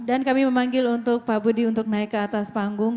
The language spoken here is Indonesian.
dan kami memanggil untuk pak budi untuk naik ke atas panggung